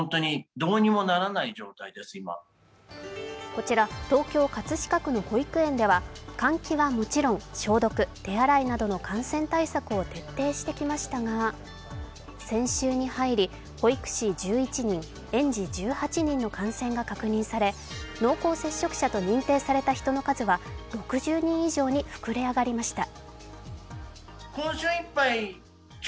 こちら東京・葛飾区の幼稚園では換気はもちろん消毒、手洗いなどの感染対策を徹底してきましたが先週に入り、保育士１１人、園児１８人の感染が確認され濃厚接触者と認定された人の数は６０人以上に膨れ上がりました。